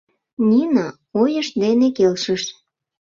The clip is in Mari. Нина ойышт дене келшыш.